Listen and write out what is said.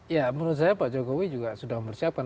ya menurut saya pak jokowi juga sudah mempersiapkan